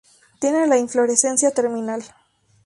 Tiene la inflorescencia terminal.